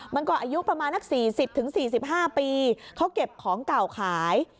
มันก็อายุประมาณนัก๔๐๔๕ปีเขาเก็บของเก่าขาย